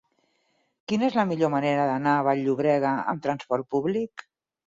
Quina és la millor manera d'anar a Vall-llobrega amb trasport públic?